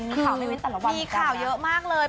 คือมีข่าวเยอะมากเลย